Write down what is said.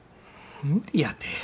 無理やて。